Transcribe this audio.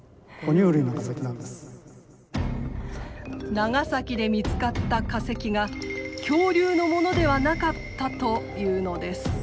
長崎で見つかった化石が恐竜のものではなかったというのです。